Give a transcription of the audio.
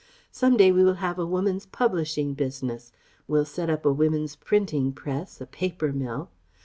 Some day we will have a women's publishing business, we'll set up a women's printing press, a paper mill....